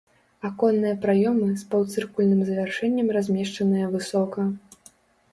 Аконныя праёмы з паўцыркульным завяршэннем размешчаныя высока.